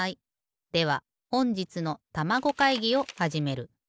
ではほんじつのたまご会議をはじめる。